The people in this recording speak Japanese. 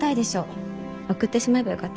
送ってしまえばよかったのに。